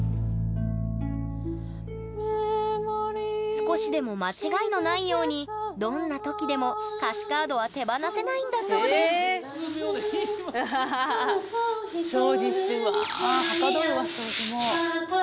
少しでも間違いのないようにどんな時でも歌詞カードは手放せないんだそうです掃除してわあはかどるわ掃除も。